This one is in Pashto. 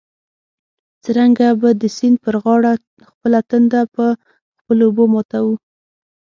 څرنګه به د سیند پر غاړه خپله تنده په خپلو اوبو ماتوو.